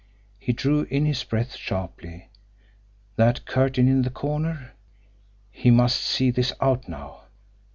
He drew in his breath sharply. That curtain in the corner! He must see this out now!